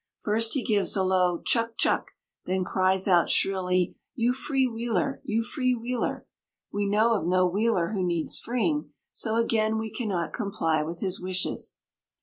First he gives a low "Chuck, chuck;" then cries out shrilly, "You free Wheeler! You free Wheeler!" We know of no Wheeler who needs freeing, so again we cannot comply with his wishes.